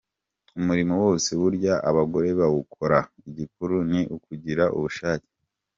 Umurimo wose burya abagore bawukora, igikuru ni ukugira ubushake.